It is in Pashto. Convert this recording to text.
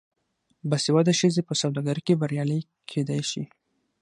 باسواده ښځې په سوداګرۍ کې بریالۍ کیدی شي.